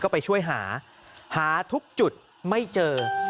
ก็ไปช่วยหาหาทุกจุดไม่เจอ